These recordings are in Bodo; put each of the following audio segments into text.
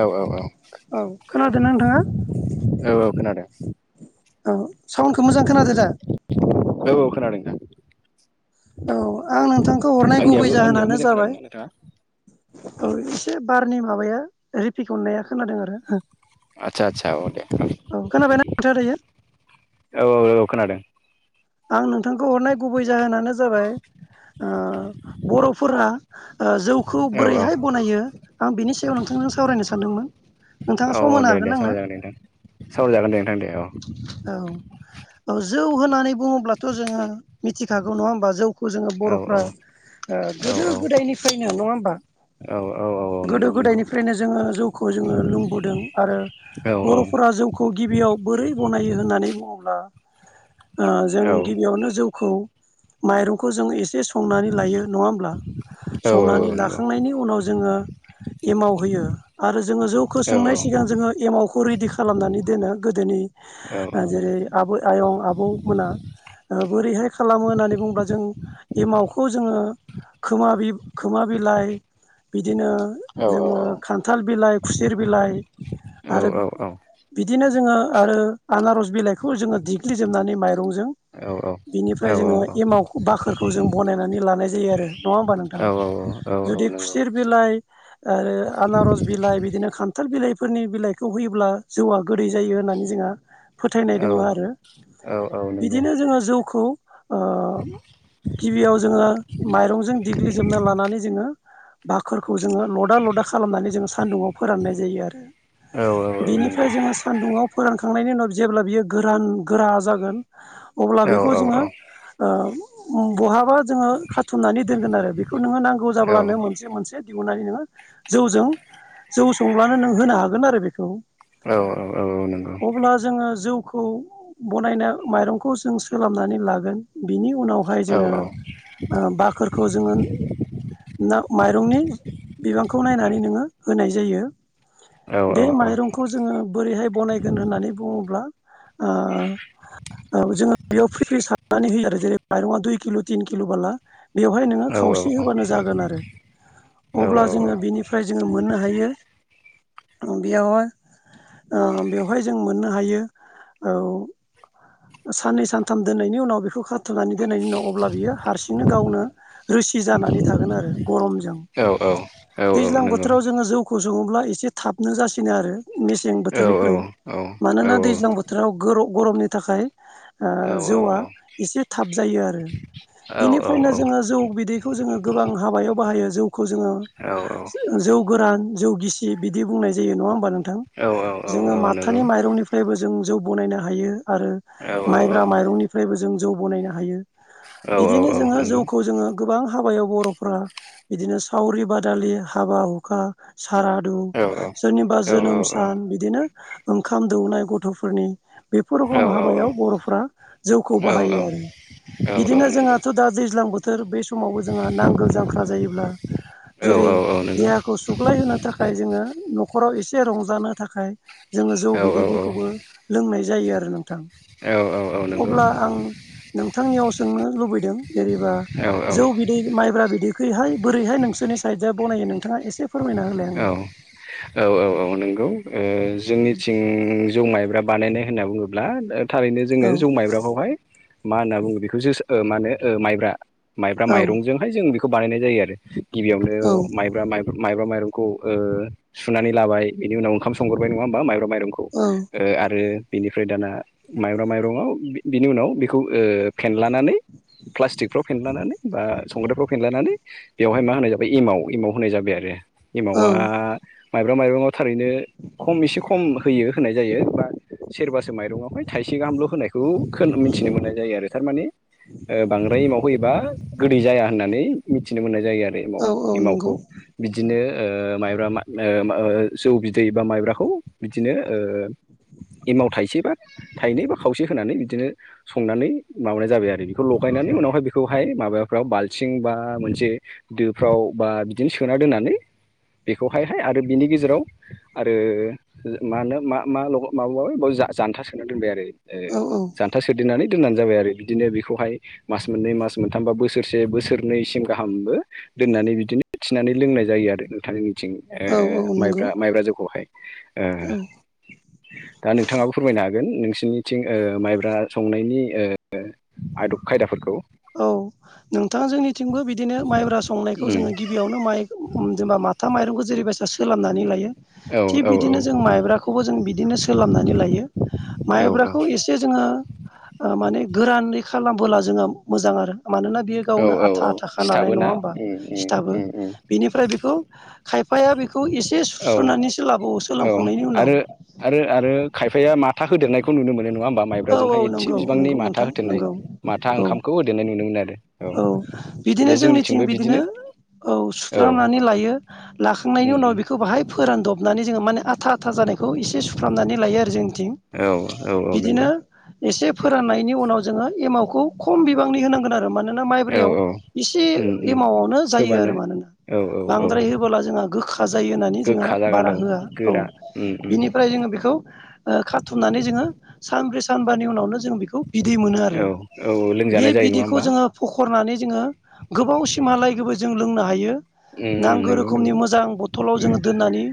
औ औ औ। औ खोनादोंना नोंथाङा? औ [inaudible] औ साउन्डखौ मोजां खोनादो दा? औ खोनादों खोनादों। औ आं नोंथांखौ हरनाय गुबै आंनियाबो आंनियाबो जाहोनानो मोजां जाबाय खोनादोंना नोंथाङा? औ एसे बारनि माबाया रिपिकननाया खोनादों आरो। आदसा आदसा औ दे औ खोनाबायना नोंथाङा दायो औ औ औ औ खोनादों। आं नोंथांखौ हरनाय गुबै जाहोनानो जाबाय ओ बर'फोरा जौखौ औ औ बोरैहाय बनायो आं बिनि सायाव नोंथां सावरायनो सानदोंमोन औ नोंथाङा औ सम दे होनो दे हागोन आंनो? सावरायजागोन दे नोंथां सावरायजागोन दे नोंथां दे औ औ। जौ होननानै बुङोब्लाथ' जोङो मिथिखागौ नङा होमबा जौ। खौ जोङो औ बर'फ्रा ओ औ गोदो गोदायनिफ्रायनो नङा होमबा? औ औ। औ औ गोदो नंगौ नंगौ गोदायनिफ्रायनो जोङो जौखौ जोङो लोंबोदों आरो औ बर'फोरा जौखौ गिबियाव बोरै गनायो होननानै बुङोब्ला ओ जों औ गिबियावनो जौखौ माइरंखौ जों एसे संनानै लायो नङा होमब्ला? औ औ संनानै नंगौ लाखांनायनि उनाव जोङो एमाव होयो आरो जोङो जौखौ औ सोंनाय सिगां जोङो एमावखौ रेडि खालामनानै दोनो गोदोनि औ नंगौ औ नंगौ औ नंगौ औ नंगौ जेरै आबै आयं आबौ मोना बोरैहाय खालामो होननानै बुङोब्ला जों एमावखौ जोङो खोमा खोमा बिलाइ बि बिदिनो जोङो औ खान्थाल बिलाइ खुसेर बिलाइ आरो बिदिनो जोङो आरो आनारस बिलाइखौ जोङो देग्लिजोबनानै माइ रंजों बिनिफ्राय जोङो एमाव बाखोरखौ जों बनायनानै लानाय जायो आरो नङा होमबा नोंथां? जुदि खुसेर बिलाइ आरो आनारस बिलाइ बिदिनो खान्थाल बिलाइ फोरनि बिलाइखौ होयोब्ला जौआ गोदै जायो होननानै जोंहा फोथायनाय दङ आरो औ बिदिनो जोङो जौखौ ओ गिबियाव जोङो माइरंजों देग्लिजोबना लानानै जोङो बाखोरखौ जोङो लदा लदा खालामनानै जोङो सानदुंआव फोराननाय जायो आरो। बिनिफ्राय जोङो सानदुङाव फोरानखांनायनि उनाव जेब्ला बियो गोरान गोरा जागोन अब्ला बेखौ जोङो ओ बहाबा जोङो खाथुमनानै दोनगोन आरो बेखौ नोङो नांगौ जाब्लानो मोनसे मोनसे दिहुननानै नोङो जौजों जौ संब्लानो नों होनो हागोन आरो बेखौ। अब्ला जोङो जौ खौ बनायना माइरंखौ जों सोलाबनानै लागोन बिनि उम उनावहाय जोङो ओ बाखोरखौ जोङो । ना माइरंनि बिबांखौ नायनानै नोङो होनाय । जायो औ बे औ औ माइरंखौ जोङो बोरैहाय बनायगोन होननानै बुङोब्ला । ओ । ओ जोङो बेयाव फ्रि फ्रि सारनानै होयो आरो जेरै माइरङा दुइ किल' थिन किल' बाला । बेवहाय नोङो औ औ खावसे होबानो जागोन आरो । अब्ला जोङो बेनिफ्राय जोङो मोननो हायो । बेयावहाय ओ बेवहाय जों मोननो हायो औ । साननै सानथाम दोननायनि उनाव बेखौ खा । थुमनानै दोननायनि उनाव अब्ला बियो हारसिंनो गावनो रोसि जानानै थागोन आरो गरमजों । औ औ औ दैज्लां नंगौ बोथोराव जोङो जौखौ सङोब्ला एसे थाबनो जासिनो आरो । मेसें औ बोथोरनिख्रुइ औ मानोना औ औ दैज्लां बोथोराव गोर' गरमनि थाखाय । ओ जौआ औ एसे थाब जायो आरो । औ नंगौ औ औ बिनिफ्रायनो औ जोङो जौ बिदैखौ जोङो गोबां हाबायाव बाहायो । खौ जोङो जो जौ गोरान जौ गिसि बिदि बुंनाय जायो नङा होमबा नों । थां नंगौ औ औ जोङो औ माथानि माइरंनिफ्रायबो । जों जौ बनायनो हायो आरो औ नंगौ औ नंगौ औ औ माइब्रा नंगौ माइरंनिफ्रायबो जों जौ बनायनो हायो । बिदिनो जोङो जौखौ जोङो । गोबां हाबायाव बर'फ्रा बिदिनो सावरि बादालि हाबा हुखा । खारादु सोरनिबा जोनोम सान बिदिनो । ओंखाम दौनाय गथ'फोरनि । खुरुगरम हाबायाव बर'फ्रा जौखौ बाहायो आरो बिदिनो जोंहाथ' दा दैज्लां बो । सोर बे समावबो जोंहा नांगोल जांख्रा जायोब्ला । जेरै देहाखौ सुग्लायहोनो थाखाय जोङो न' । खराव एसे रंजानो थाखाय जोङो जौ बिदैफोरखौबो लोंनाय जायो आरो नों । थां अब्ला आं । नोंथांनियाव सोंनो लुबैदों जेनेबा जौ बिदै माइब्रा बिदैखैहाय बोरैहाय नों । सोरनि साइडआ बानायो नों । औ-औ-औ-औ नंगौ । ओ जोंनिथिं जौ माइब्रा बानायनाय होनना बुङोब्ला ओ । थारैनो औ जोङो जौ माइब्राखौहाय मा होनना बुङो बेखौ जोसो ओ माने ओ माइब्रा । माइब्रा औ माइरंजोंहाय जों बेखौ बानायनाय जायो आरो गिबियावनो औ माइब्रा माइ । माइब्रा माइरंखौ ओ सुनानै लाबाय बिनि उनाव ओंखाम संगोरबाय नङा होमबा माइब । बा माइरंखौ ओ आरो । बिनिफ्राय दाना मायब्रा माइरंआव बि बिनि उनाव बेखौ ओ फेनलानानै । प्लास्टिकफ्राव फेनलानानै बा संग्रायफ्राव फेनलानानै बेवहाय मा होनाय जाबाय एमाव-एमाव होनाय जाबाय आरो । रो औ एमावा । माइब्रा माइरङाव थारैनो खम एसे खम होयो होनाय जायो बा । सेरबासो माइरंआवहाय थाइसे गाहामल' होनायखौ खोन मिथिनो मोननाय जायो आरो थारमाने । ओ बांद्राय एमाव होयोबा गोदै जाया होननानै मिथिनो मोननाय । जायो, आरो औ औ एमावखौ नंगौ बिदिनो ओ मायब्रा मा ओ ओ जौ बिदै बा माइब्राखौ बिदिनो ओ एमाव थाइसे बा थाइनै बा खावसे होनानै बिदिनो संनानै माबानाय जाबाय आरो बेखौ लगायनाय माने उनाव‌ हाइ बेखौ‌ माबाफ्राव बालथि बा मोनसे दोफ्राव बिदिनो सो‌ सोना दोन्नानै बेखौहायहाय आरो बिनि गेजेराव आरो माहोनो मा मा मा ल जानथा सोना दोनबाय आरो ओ औ औ जानथा सोदेरनानै दोनबानो जाबाय आरो बिदिनो बेखौहाय मास मोननै मास मोनथामबा बोसोरसे बोसोरनैसिम गाहामबो दोननानै बिदिनो थिनानै लोंनाय जायो आरो नोंथां जोंनिथिं ओ औ औ नंगौ माइब्रा माइब्रा जौखौहाय ओ औ नोंथाङाबो फोरमायनो हागोन! ओ नोंसिोरनिथिं माइब्रा संनायनि आदब खायदाफोरखौ! औ नोंथां जोंनिथिंबो बिदिनो, माइब्रा संनायखौ उम जोङो, गिबियावनो! माइ जेनेबा माथा माइरंखौ जेरैबायसा सोलाबनानै लायो औ औ थिग औ बिदिनो जों माइब्राखौबो जों बिदिनो सोलाबनानै लायो औ औ माइब्राखौ एसे, जोंङो माने गोरानै, खालामबोला जोंङो मोजां आरो, मानोना बियो, औ गावनो औ आथा, औ आथाखा, नालाय सिथाबो नङा, ना होमबा उम उम सिथाबो, उम उम बेनिफ्राय बेखौ, ! खायफाया बेखौ एसे, औ सुस्रनानैसो लाबावो औ सोलोंखांनायनि उनाव, आरो ! आरो आरो खायफाया माथा, होदेरनायखौ नुनो, मोन नङा, ओमबा! माइब्रा जोंहाय एसे नंगौ बिबांनि नंगौ माथा नोंथां होथेरनाय नंगौ माथा औ ओंखामखौ होदेरनाय नुनो मोन आरो औ, ! बिदिनो बे जोंनिथिं जोंनिथिंबो बिदिनो! औ औ सुफ्रामनानै लायो लाख सुखांनायनि उम उना, उम व बेखौ बाहाय, फोरानदबनानै जोङो माने आथा, आथा, जानाय! खौ, एसे सुफ्रामनानै लायो, आरो जोंनिथिं, औ औ औ बिदिनो! नंगौ एसे, फोराननायनि उनाव, जोंङो एमावखौ खम, बिबांनि होनांगोन, आरो मानोना! मा, औ माइब्रैयाव औ इसे, उम उम एमाव आवनो जायो, होबानो आरो मानोना! औ औ औ बांद्राय होबोला जोंहा गोखा जायो होननानै जोंहा गोखा जागोन बारा औ होआ औ गोरा उम उम बिनिफ्राय जों बेखौ ओ, खाथुमनानै, जोंङो, सानब्रै, सो, ! सानबानि उनावनो जों बेखौ बिदै मोनो आरो औ औ बे लोंजानाय जायो नङा बिदैखौ होमबा जोंङो फखनानै जोङो, गोबाव सिमालायगबो जों, लोंनो हायो, ! ए नांगौ, रोखोमनि मोजां बथलाव जोङो दोननानै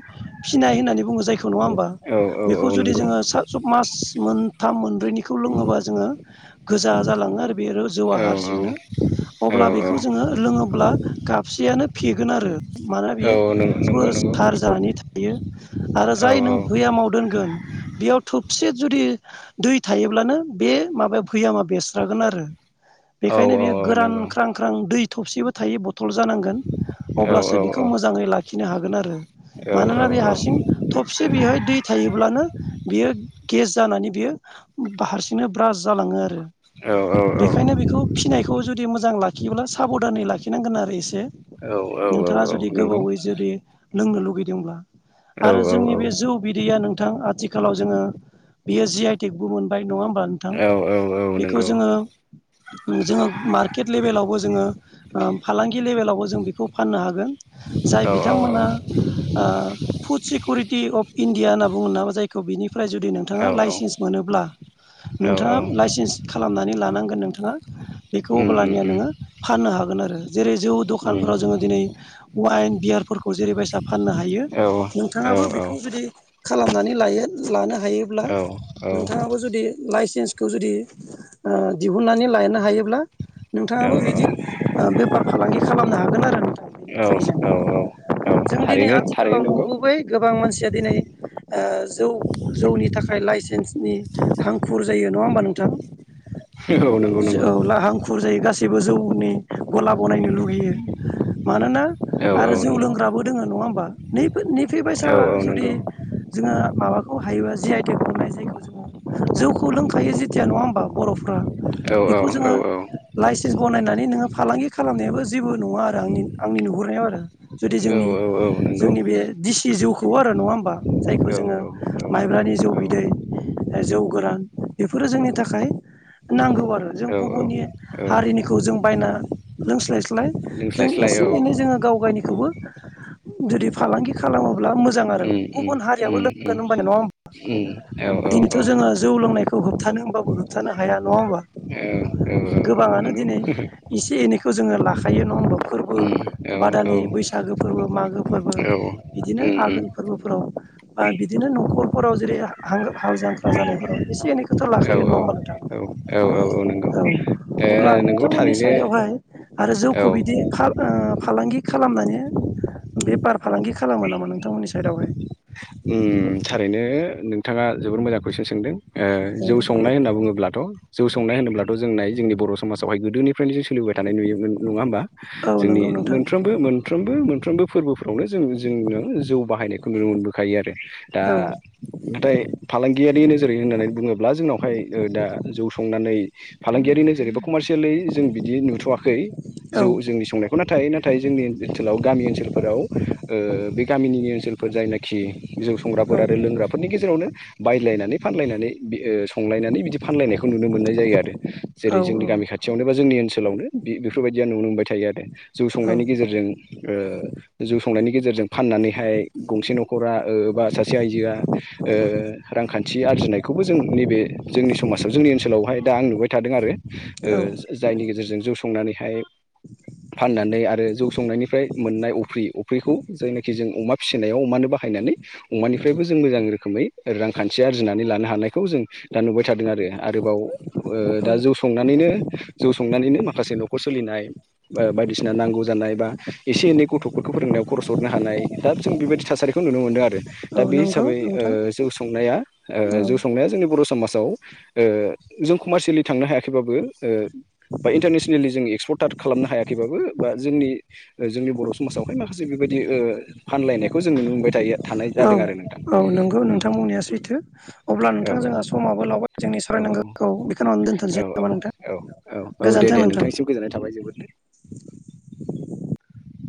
फिनाय होननानै बुंङो, जायखौ नंङा, होमबा औ औ बेखौ औ जुदि नंगौ जोंङो, सा, सब, मास, ! मोनथाम मोनब्रैनिखौ लोङोबा जोंङो गोजा जालांङो आरो बेरो, जौआा, औ हारसिंनो! औ अब्ला बेखौ जोंङो लोंङोब्ला खाबसेयानो फेगोन आरो, ! मानोना औ बियो औ नंगौ जोबोर नंगौ जार जानानै थायो आरो औ जाय औ नों भैया मावा आव दोनगोन! बेयाव थबसे जुदि, ! दै थायोब्लानो बे माबाया भैयामा बेरस्रागोन आरो औ बेखायनो औ बेयो औ गोरान नंगौ ख्रां ख्रां दै थबसेबो थायो बथल जानांगोन औ औ अब्लासो बेखौ मोजाङै लाखिनो हागोन आरो औ औ मानोना बे हारसिं थबसे बेवहाय दै थायो थायोब्लानो बेयो गेज जानानै बा हारसिं नो गेज जानानै बियो हारसिं नो ब्राज जालांङो आरो! बेखायनो बेखौ फिसिनायखौ जुदि मोजां लाखियोब्ला साबधानै लाखिनांगोन आरो एसे औ नोंथाङा औ औ जुदि नंगौ गोबावै जुदि! लोंनो लुगैदोंब्ला औ आरो जोंनि, औ बे, जौ, बिदैया नों! बिथां आथिखालाव जोंङो, बियो जिआइ, टिकबो मोनबाय नङा, ओमबा नोंथां औ औ नोंथां बेखौ नंगौ जोङो, जोंङो मारकेट, लेभेलावबो जोङो, ! फालांगि लेभेलावबो जों, बेखौ फाननो हागोन, जाय औ औ बिथांमोना, ! फुड, सिकरिटि अफ इण्डिया होनना बुङो, नामा जायखौ बिनिफ्राय, जुदि नोंथाङा, औ लाइसेन्स होब्ला औ नोंथाङा औ लाइसेन्स खालामनानै लानांगोन नोंथाङा बेखौ उम उम अब्लानिया नोंङो फाननो हागोन। आरो जेरै जौ उम दखानफोराव जोंङो दिनै वाइन, बियारफोरखौ जेरैबायायसा फाननो हायो औ औ नोंथाङाबो औ बेखौ जुदि खालामनानै लायो लानो हायोब्ला नोंथाङाबो जुदि लाइ सेन्सखौ जुदि ओ दिहुननानै लानो हायो ब्ला नोंथाङाबो बिदि बेफार फालांगि खालामनो हागोन आरो ना औ औ औ औ जों दिनै थारैनो थारैनो आथिखालाव नंगौ नुबोबाय गोबां मानसिया दिनै ओ जौ जौनि थाखाय लाइसेन्स नि हांखुर जायो नङा हबा नोंथां? औ नंगौ [unintelligible] नंगौ जोआवला हांखुर जायो गास सिबो जौनि गला बनायनो लुगैयो मानोना औ आरो औ जौ नंगौ लोंग्राबो दोङो नङा होमबा। नैफो नैफै बायसा औ औ जुदि नंगौ जोङो माबाखौ हायोबा जि आइ टेक खौ नाइज जौखौ लोंखायो जेथिया नङा होमबा बर'फ्रा औ बेखौ जोङो औ औ औ लाइसेन्स बनायनानै नोङो फालांगि खालामनायाबो जेबो नङा आरो आंनि आंनि नुहुरनायाव आरो। जुदि औ जोंनि औ नंगौ औ जोंनि बे दिसि जौखौ आरो नङा होमबा जायखौ औ जोङो माइब्रानि जौ बिदै जौ गोरान बेफोरो जोंनि थाखाय नांगौ आरो जों औ गुबुननि औ हारिनिखौ जों बायना लोंस्लायस्लाय जों लोंस्लायस्लाय एसे औ उम एनै जोङो गावगायनिखौबो जुदि फालांगि खालामोब्ला मोजां आरो। उम गुबुन हारियाबो उम लों गोन उम होनबाना नङा उम औ [unintelligible] औ दिनैथ' जोङो जौ लोंनायख खौ होबथानो होमबाबो होबथानो हाया नङा होमबा? औ औ औ गोबाङानो नंगौ दिनै एसे एनैखौ जोङो लाख खायो नंङा होमबा? फोरबो, उम औ औ बादालि, उम बैसागो फोरबो, मागो फोरबो बिदिनो उम आघोन फोरबोफोराव बा बिदिनो न'खरफोराव जेरै हा हां हाल जांख्रा जानायफोराव एसे एनैखोथ' औ लाखायो न'ङा होनबा नोंथां? औ औ औ नोंगौ। अब्ला नोंथांमोननि साइदआवहाय आरो औ जौखौ बिदि फाल ओ फालांगि खालामनायनि बेपार फालांगि खालामो नामा नोंथांमोननि साइदावहाय ओम थारैनो नोंथाङा जोबोद मोजां कुइसन सो [unintelligible] सोंदों ओह जौ संनाय होनना बुङोब्लाथ' जौ संनाय होनोब्ला [unintelligible] थ' जोंनाय जोंनि बर' समाजावहाय गोदोनिफ्रायनो जों सोलिबाय थानाय नुयो नङा होमबा औ औ जोंनि नंगौ नोंथां मोनफ्रोमबो मोनफ्रोमबो मोनफ्रोमबो फोरबोफ्रावनो जों जोंङो जौ बाहायनायखौ नुनो मोनबोखायो आरो। दा औ नाथाय फालांगियारि नोज जोरै होननानै बुङोब्ला जोंनावहाय ओ दा जौ संनानै फालांगियारि नोजोरैबो कमारसियेलि जों बिदि नुथ'वाखै औ जौ जोंनि संनायखौ नाथाय नाथाय जोंनि ओनसोलाव गामि ओनसोलफोराव ओ बे [unintelligible] गामिनि ओनसोलफोर जायनाखि जौ औ संग्राफोर आरो लोंग्राफोरनि गेजेरावनो बायलायनानै फानलायनानै बे ओ संलायनानै बिदि फानलायनाय खौ नुनो मोननाय जायो आरो। औ जेरै जोंनि गामि खाथियावनो बा जोंनि ओनसोलावनो बे बेफोरबायदिया नुनो मोनबाय थायो आरो। जौ औ संनायनि गेजेरजों ओ जौ संनायनि गेजेरजों फाननानैहाय गंसे न'खरा ओ बा सासे आइजोआ ओ रांखान थि आरजिनायखौबो जों नैबे जोंनि समाजाव जोंनि ओनसोलावहाय दा आं नुबाय थादों आरो। ओ औ जा जायनि गेजेरजों जौ संनानैहाय फाननानै आरो जौ संनायनिफ्राय मोननाय अफ्रि अफ्रिखौ जायनाखि जों अमा फिसिनायाव अमानो बाह हायनानै अमानिफ्रायबो जों मोजां रोखोमै रांखान्थि आरजिनानै लानो हानायखौ जों दा नुबाय थादों आरो। आरोबाव ओ औ दा जौ संनानैनो जौ संनानैनो माखासे न'खर सोलिनाय ओ बायदिसिना नांगौ जानाय बा एसे एनै गथ'फोरख खौ फोरोंनायाव खर'स हरनो हानाय दाब जों बेबायदि थासारिखौ नुनो मोनदों आरो। औ दा बे नंगौ हिसाबै ओ नोंथां जौ संनाया ओ औ जौ संनाया जोंनि बर' समाज [unintelligible] ओ जों कमार्सियेलि थांनो हायाखैबाबो ओ बा इन्टारनेसनेलि जों एक्सफर्ट तात खालामनो हायाखैबाबो बा जोंनि ओ जोंनि बर' समाजावहाय माखासे बेबायदि ओ फानलायनायखौ जोङो नुनो मोनबाय थायो था औ औ नंगौ नोंथां बुंनाया सैथो अब्ला औ नोंथां जोंहा समाबो लावबाय जोंनि औ सावरायनां गोखौ बेखिनावनो दोन्थ'सै औ नामा नोंथां? औ औ दे गोजोन्थों दे नोंथां। नोंथांनिसिम गोजोननाय थाबाय जोबोद [inaudible]